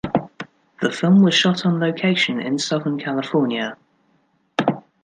The film was shot on location in Southern California.